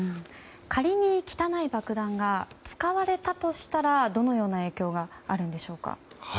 仮に、汚い爆弾が使われたとしたらどのような影響があるんでしょうか。